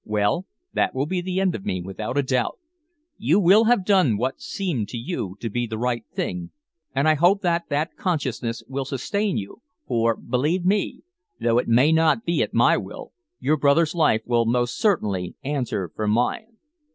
Well, that will be the end of me, without a doubt. You will have done what seemed to you to be the right thing, and I hope that that consciousness will sustain you, for, believe me, though it may not be at my will, your brother's life will most certainly answer for mine."